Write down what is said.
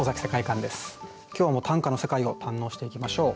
今日も短歌の世界を堪能していきましょう。